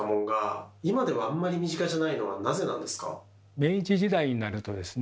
明治時代になるとですね